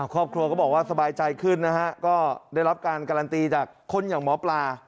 ครอบครัวก็บอกว่าสบายใจขึ้นนะฮะก็ได้รับการการันตีจากคนอย่างหมอปลา